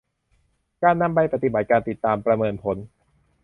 การนำไปปฏิบัติ การติดตามประเมินผล